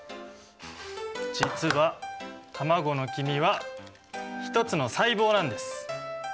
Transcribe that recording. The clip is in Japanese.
実は卵の黄身は一つの細胞なんです。